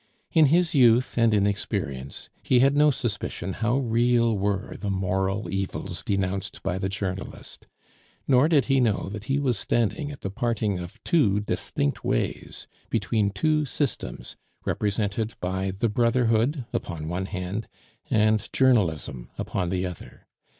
In his youth and inexperience he had no suspicion how real were the moral evils denounced by the journalist. Nor did he know that he was standing at the parting of two distinct ways, between two systems, represented by the brotherhood upon one hand, and journalism upon the other.